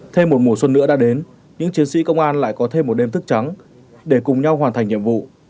thêm một mùa xuân nữa đã đến những chiến sĩ công an lại có thêm một đêm thức trắng để cùng nhau hoàn thành nhiệm vụ